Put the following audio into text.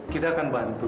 kita akan bantu